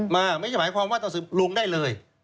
ไม่ใช่หมายความว่าต่อสืบลงได้เลย